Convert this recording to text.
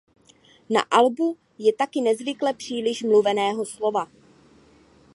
Na albu je taky nezvykle příliš mluveného slova.